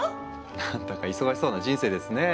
何だか忙しそうな人生ですねえ。